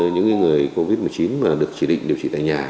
những người covid một mươi chín mà được chỉ định điều trị tại nhà